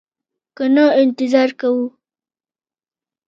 که نه انتظار کوو.